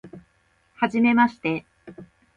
はじめまして